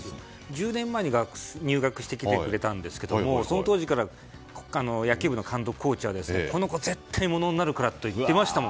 １０年前に入学してきてくれたんですけどもその当時から野球部の監督、コーチはこの子、絶対大物になるからと言っていましたよ。